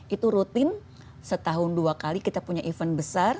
itu rutin setahun dua kali kita punya event besar